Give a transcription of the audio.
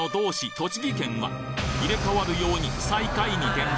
栃木県は入れ替わるように最下位に転落